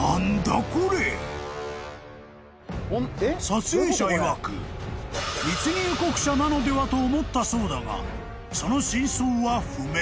［撮影者いわく密入国者なのではと思ったそうだがその真相は不明］